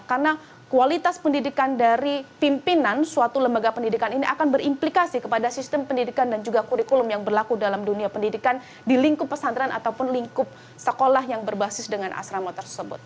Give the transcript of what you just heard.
karena kualitas pendidikan dari pimpinan suatu lembaga pendidikan ini akan berimplikasi kepada sistem pendidikan dan juga kurikulum yang berlaku dalam dunia pendidikan di lingkup pesantren ataupun lingkup sekolah yang berbasis dengan asrama tersebut